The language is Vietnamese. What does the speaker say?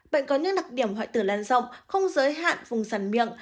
bệnh có những đặc điểm hoại tử lan rộng không giới hạn vùng rằn miệng